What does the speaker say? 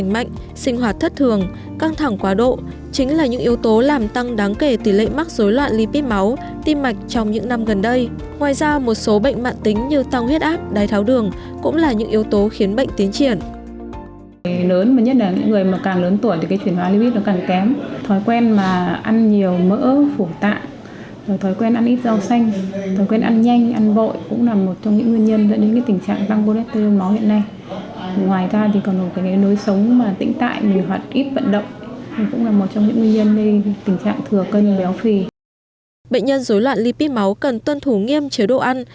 bệnh nhân dối loạn lipid máu cần tuân thủ nghiêm chế độ ăn